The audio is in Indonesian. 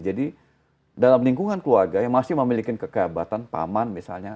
jadi dalam lingkungan keluarga yang masih memiliki kekebatan paman misalnya